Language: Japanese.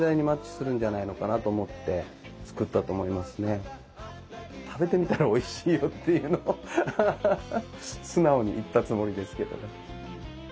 ブルースとかジャズとか食べてみたらおいしいよっていうのを素直に言ったつもりですけどね。